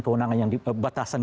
kewenangan yang diberikan